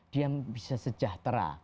dia bisa sejahtera